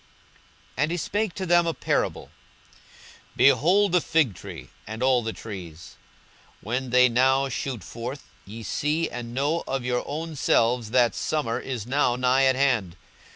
42:021:029 And he spake to them a parable; Behold the fig tree, and all the trees; 42:021:030 When they now shoot forth, ye see and know of your own selves that summer is now nigh at hand.